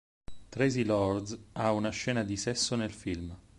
Traci Lords ha una scena di sesso nel film.